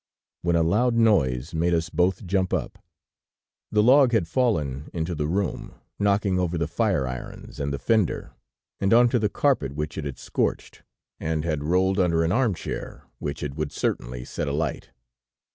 when a loud noise made us both jump up. The log had fallen into the room, knocking over the fire irons and the fender, and onto the carpet which it had scorched, and had rolled under an arm chair, which it would certainly set alight.